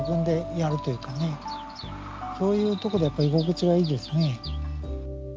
そういうとこでやっぱり居心地はいいですね。